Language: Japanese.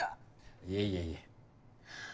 いえいえいえ。